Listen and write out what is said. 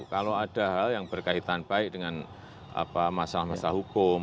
kalau ada hal yang berkaitan baik dengan masalah masalah hukum